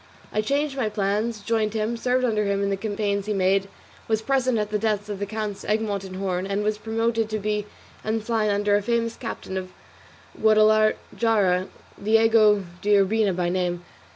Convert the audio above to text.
I changed my plans, joined him, served under him in the campaigns he made, was present at the deaths of the Counts Egmont and Horn, and was promoted to be ensign under a famous captain of Guadalajara, Diego de Urbina by name.